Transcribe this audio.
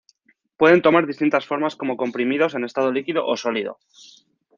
Pueden tomar distintas formas como comprimidos, en estado líquido, o sólido.